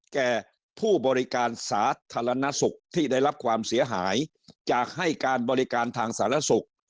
แก่ผู้บริการสาธารณสุขที่ได้รับความเสียหายจากให้การบริการทางสารสุข